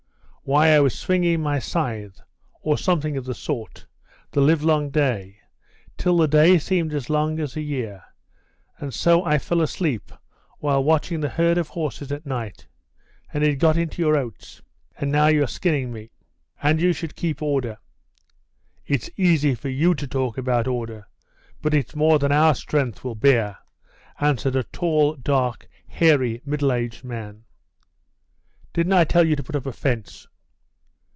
Why, I was swinging my scythe, or something of the kind, the livelong day, till the day seemed as long as a year, and so I fell asleep while watching the herd of horses at night, and it got into your oats, and now you're skinning me." "And you should keep order." "It's easy for you to talk about order, but it's more than our strength will bear," answered a tall, dark, hairy middleaged man. "Didn't I tell you to put up a fence?"